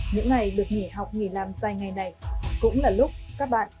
những ngày được nghỉ học nghỉ làm dài ngày này cũng là lúc các bạn